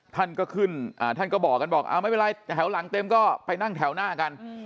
ท่านก็ขึ้นท่านก็บอกกันบอกไม่เป็นไรแถวหลังเต็มก็ไปนั่งแถวหน้ากัน